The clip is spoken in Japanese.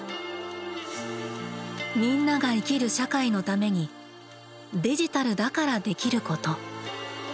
みんなが生きる社会のためにデジタルだからできること。